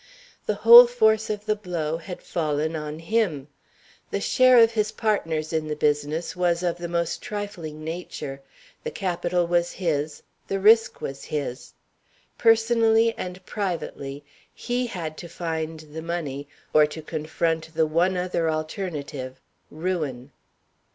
The whole force of the blow had fallen on him. The share of his partners in the business was of the most trifling nature. The capital was his, the risk was his. Personally and privately, he had to find the money, or to confront the one other alternative ruin.